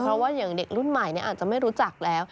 เพราะว่าอย่างเด็กรุ่นใหม่อาจจะไม่รู้จักแล้ว